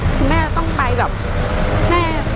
คือแม่ต้องไปแบบ